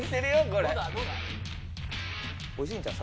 これ・おいしいんちゃう？